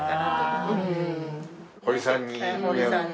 堀さんに？